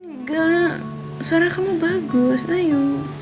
enggak suara kamu bagus ayo